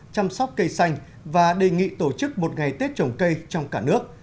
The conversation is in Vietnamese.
chăm sóc cây xanh và đề nghị tổ chức một ngày tết trồng cây trong cả nước